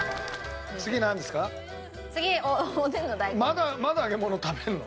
まだまだ揚げ物食べるの？